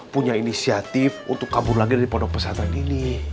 punya inisiatif untuk kabur lagi dari pondok pesantren ini